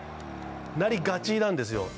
なりがちなんですよ。